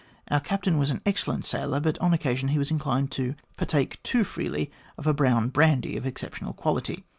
Our captain was an excellent sailor, but on occasion he was inclined to partake too freely of a hrown brandy of exceptional quality.